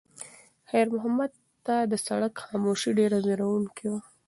خیر محمد ته د سړک خاموشي ډېره وېروونکې وه.